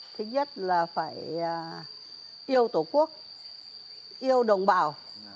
thứ nhất là phải yêu tổ quốc yêu đồng bào